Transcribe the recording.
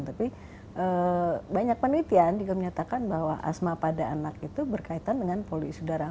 tapi banyak penelitian juga menyatakan bahwa asma pada anak itu berkaitan dengan polusi udara